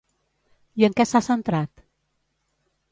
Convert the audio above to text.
I en què s'ha centrat?